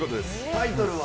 タイトルは？